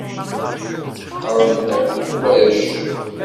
Ḥeqren-t akk warrac.